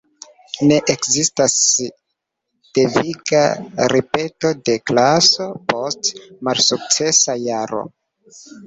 Ne ekzistas deviga ripeto de klaso post malsukcesa jaro.